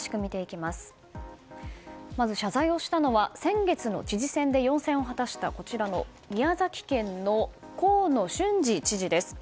まず謝罪をしたのは先月の知事選で４選を果たした宮崎県の河野俊嗣知事です。